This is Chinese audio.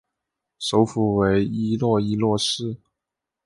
首府为伊洛伊洛市。